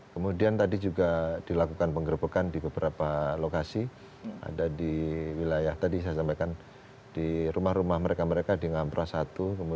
kemudian tadi juga dilakukan penggerbekan di beberapa lokasi ada di wilayah tadi saya sampaikan di rumah rumah mereka mereka di ngampra satu